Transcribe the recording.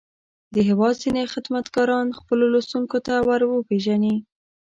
د هېواد ځينې خدمتګاران خپلو لوستونکو ته ور وپېژني.